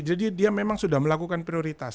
jadi dia memang sudah melakukan prioritas